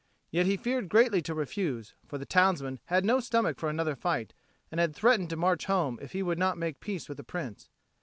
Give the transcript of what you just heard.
Yet he feared greatly to refuse; for the townsmen had no stomach for another fight and had threatened to march home if he would not make peace with the Prince.